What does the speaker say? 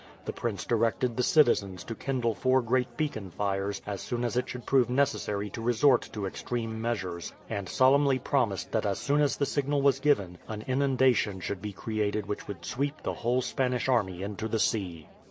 The prince directed the citizens to kindle four great beacon fires as soon as it should prove necessary to resort to extreme measures, and solemnly promised that as soon as the signal was given an inundation should be created which would sweep the whole Spanish army into the sea.